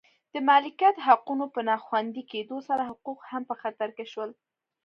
د مالکیت حقونو په نا خوندي کېدو سره حقوق هم په خطر کې شول